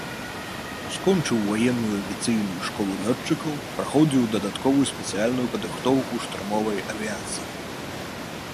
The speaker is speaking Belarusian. Скончыў ваенную авіяцыйную школу лётчыкаў, праходзіў дадатковую спецыяльную падрыхтоўку ў штурмавой авіяцыі.